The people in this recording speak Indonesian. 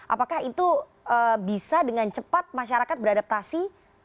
apakah itu bisa dengan cepat masyarakat beradaptasi